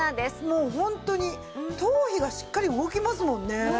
もうホントに頭皮がしっかり動きますもんね。